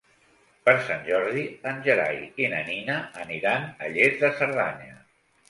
Per Sant Jordi en Gerai i na Nina aniran a Lles de Cerdanya.